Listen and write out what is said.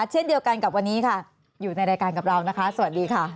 เช่นเดียวกันกับวันนี้ค่ะอยู่ในรายการกับเรานะคะสวัสดีค่ะ